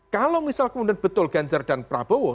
kalau misal kemudian betul ganjar dan prabowo